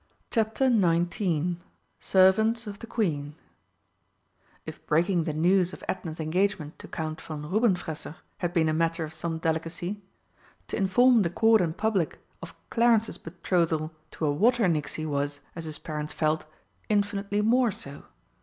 CHAPTER XIX SERVANTS OF THE QUEEN If breaking the news of Edna's engagement to Count von Rubenfresser had been a matter of some delicacy, to inform the Court and Public of Clarence's betrothal to a Water nixie was, as his parents felt, infinitely more so.